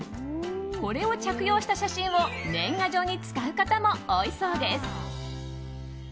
これを着用した写真を年賀状に使う方も多いそうです。